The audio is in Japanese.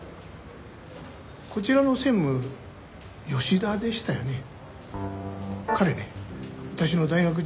こちらの専務吉田でしたよね？